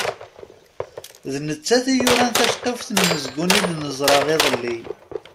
D nettat i yuran taceqquft n umezgun i d-neẓra iḍelli.